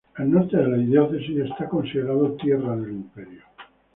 El norte de la diócesis es considerado tierra del Imperio.